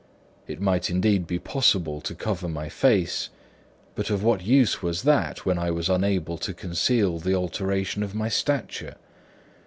It might indeed be possible to cover my face; but of what use was that, when I was unable to conceal the alteration in my stature?